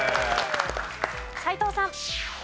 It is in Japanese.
斎藤さん。